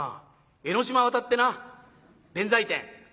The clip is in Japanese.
江の島渡ってな弁財天。